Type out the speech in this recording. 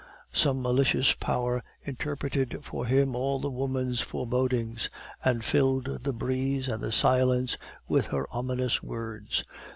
Some malicious power interpreted for him all the woman's forebodings, and filled the breeze and the silence with her ominous words.